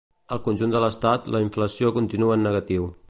Al conjunt de l'Estat, la inflació continua en negatiu.